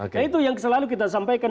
nah itu yang selalu kita sampaikan